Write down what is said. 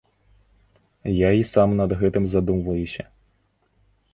Я і сам над гэтым задумваюся.